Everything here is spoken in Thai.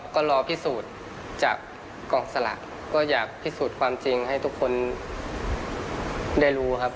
ก็รอพิสูจน์จากกองสลากก็อยากพิสูจน์ความจริงให้ทุกคนได้รู้ครับ